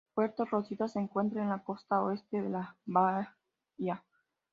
Puerto Rosita se encuentra en la costa oeste de la bahía.